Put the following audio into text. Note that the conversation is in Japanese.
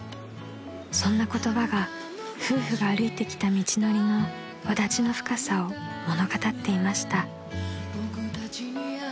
［そんな言葉が夫婦が歩いてきた道のりのわだちの深さを物語っていました］